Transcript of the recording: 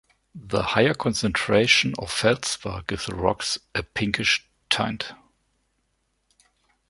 The higher concentration of feldspar gives the rocks a pinkish tint.